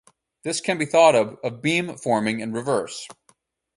This can be thought of as beamforming in reverse.